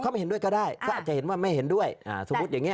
เขาไม่เห็นด้วยก็ได้ก็อาจจะเห็นว่าไม่เห็นด้วยสมมุติอย่างนี้